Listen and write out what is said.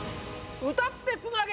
歌ってつなげ！